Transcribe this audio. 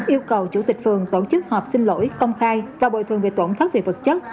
yêu cầu chủ tịch phường tổ chức họp xin lỗi công khai và bồi thường về tổn thất về vật chất